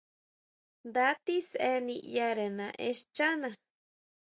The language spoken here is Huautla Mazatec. Nda tisʼe niʼyare naʼen xchana.